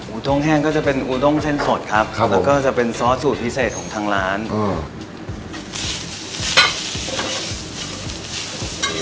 ้งแห้งก็จะเป็นอูด้งเส้นสดครับครับแล้วก็จะเป็นซอสสูตรพิเศษของทางร้านอืม